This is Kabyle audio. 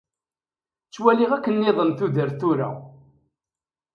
Ttwaliɣ akken nniḍen tudert tura.